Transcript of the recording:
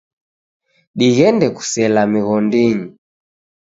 Dighende kusela mighondinyi.